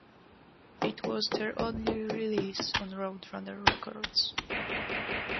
It was their only release on Roadrunner Records.